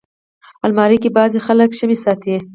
الماري کې بعضي خلک شمعې ساتي